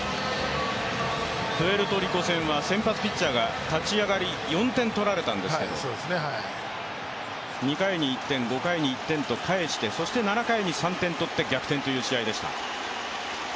プエルトリコ戦は先発ピッチャーが立ち上がり、４点取られたんですけど２回に１点、５回に１点と返してそして７回に３点取って逆転という試合でした。